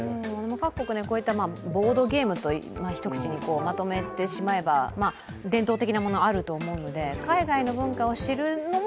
各国、こういうボードゲームと一口にまとめてしまえば伝統的なものはあると思うので、海外の文化を知るのも